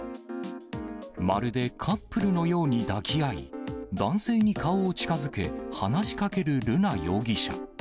まるでカップルのように抱き合い、男性に顔を近づけ、話しかける瑠奈容疑者。